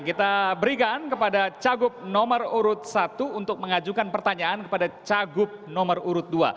kita berikan kepada cagup nomor urut satu untuk mengajukan pertanyaan kepada cagup nomor urut dua